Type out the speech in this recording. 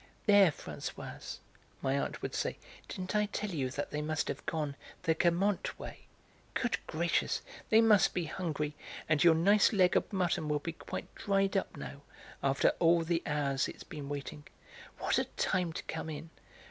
"There, Françoise," my aunt would say, "didn't I tell you that they must have gone the Guermantes way? Good gracious! They must be hungry! And your nice leg of mutton will be quite dried up now, after all the hours it's been waiting. What a time to come in!